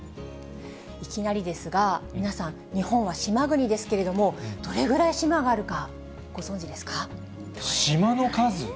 いきなりですが皆さん、日本は島国ですけれども、どれぐらい島が島の数？